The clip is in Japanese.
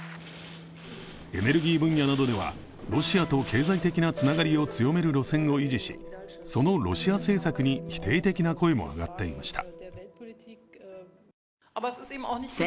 エネルギー分野などではロシアと経済的なつながりを強める路線を維持しそのロシア政策に否定的な声も上がっていました。